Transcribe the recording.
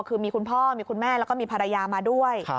คือมีคุณพ่อมีคุณแม่แล้วก็มีภรรยามาด้วย